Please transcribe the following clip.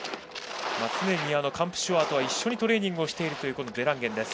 常にカンプシュアーとは一緒にトレーニングしているデランゲン。